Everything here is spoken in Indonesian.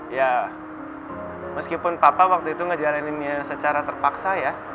ya meskipun papa waktu itu ngejarinnya secara terpaksa ya